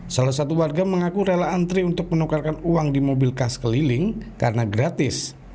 salah satu warga mengaku rela antri untuk menukarkan uang di mobil kas keliling karena gratis